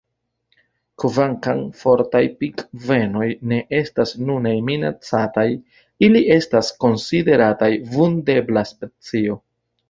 Kvankam Fortaj pingvenoj ne estas nune minacataj, ili estas konsiderataj vundebla specio.